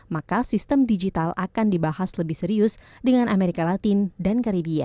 maka sistem digital akan dibahas lebih serius dengan amerika latin dan karibia